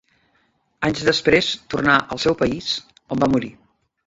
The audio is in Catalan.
Anys després tornà al seu país, on va morir.